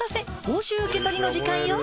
報酬受け取りの時間よ。